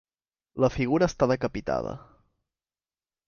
La figura està decapitada.